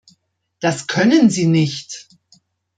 Das können Sie nicht!